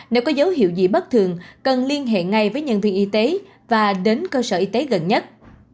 nếu có dấu hiệu gì bất thường cần liên hệ ngay với nhân viên y tế và đến cơ sở y tế gần nhất